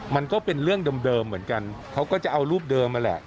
มันก็เป็นเรื่องเดิมเหมือนกันเขาก็จะเอารูปเดิมนั่นแหละ